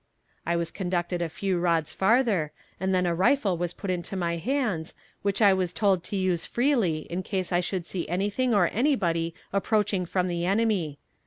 I was conducted a few rods farther, and then a rifle was put into my hands, which I was told to use freely in case I should see anything or anybody approaching from the enemy.